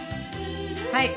はい。